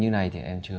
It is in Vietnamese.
như này thì em chưa